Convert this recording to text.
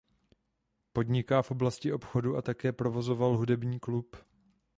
Podniká v oblasti obchodu a také provozoval hudební klub.